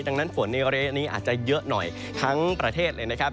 ดังนั้นฝนในระยะนี้อาจจะเยอะหน่อยทั้งประเทศเลยนะครับ